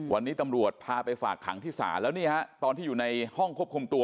วันนี้ตำรวจพาไปฝากขังที่ศาลแล้วนี่ฮะตอนที่อยู่ในห้องควบคุมตัว